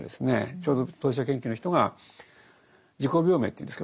ちょうど当事者研究の人が自己病名というんですけどもね